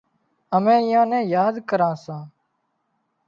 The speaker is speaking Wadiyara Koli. امين ايئان نين ياد ڪران سان